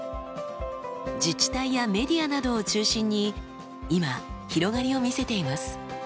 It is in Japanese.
自治体やメディアなどを中心に今広がりを見せています。